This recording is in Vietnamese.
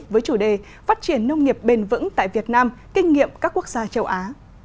với chủ đề phát triển nông nghiệp bền vững tại việt nam kinh nghiệm các quốc gia châu á